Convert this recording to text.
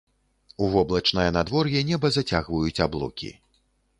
У воблачнае надвор'е неба зацягваюць аблокі.